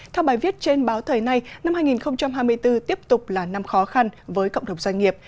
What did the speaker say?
theo bài viết trên báo thời nay năm hai nghìn hai mươi bốn tiếp tục là năm khó khăn với cộng đồng doanh nghiệp